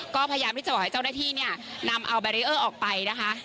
ก็พยายามที่จะบอกให้เจ้าหน้าที่เนี่ยนำเอาแบรีเออร์ออกไปนะคะ